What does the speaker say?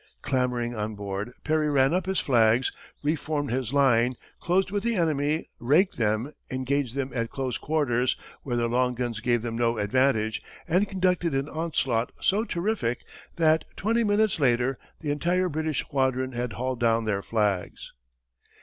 Clambering on board, Perry ran up his flags, reformed his line, closed with the enemy, raked them, engaged them at close quarters, where their long guns gave them no advantage, and conducted an onslaught so terrific that, twenty minutes later, the entire British squadron had hauled down their flags.